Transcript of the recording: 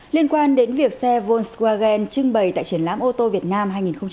liên quan đến việc xe volkswagen trưng bày tại triển lãm ô tô việt nam hai nghìn hai mươi bốn